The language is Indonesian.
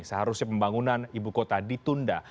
seharusnya pembangunan ibu kota ditunda